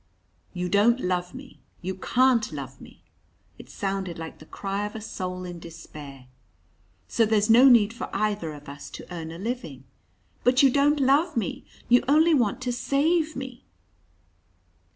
"You don't love me! You can't love me!" It sounded like the cry of a soul in despair. "So there's no need for either of us to earn a living." "But you don't love me! You only want to save me."